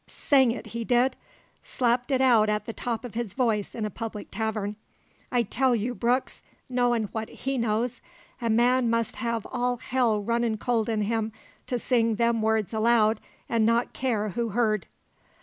Sang it, he did; slapped it out at the top of his voice in a public tavern. I tell you, Brooks knowin' what he knows a man must have all hell runnin' cold in him to sing them words aloud an' not care who heard."